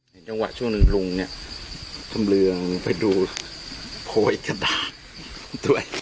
จังหวะช่วงลุงเนี่ยกำเรืองไปดูโพยกระดาษด้วย